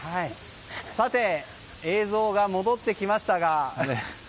さて、映像が戻ってきましたが。